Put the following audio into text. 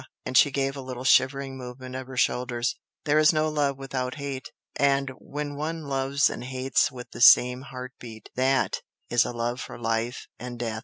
and she gave a little shivering movement of her shoulders "There is no love without hate! and when one loves and hates with the same heart beat, THAT is a love for life and death!"